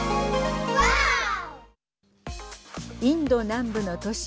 インド南部の都市